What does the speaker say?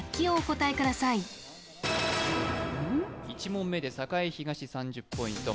１問目で栄東３０ポイント